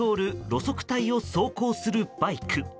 路側帯を走行するバイク。